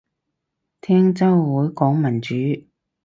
聽週會講民主